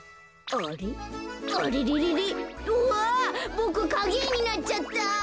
ボクかげえになっちゃった。